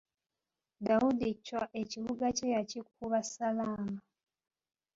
Dawudi Chwa ekibuga kye yakikuba Ssalaama.